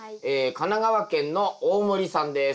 神奈川県の大森さんです。